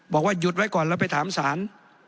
บอกว่าหยุดไว้ก่อนแล้วไปถามศาล